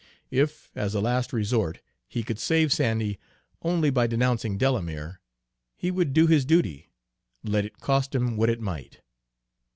If, as a last resort, he could save Sandy only by denouncing Delamere, he would do his duty, let it cost him what it might.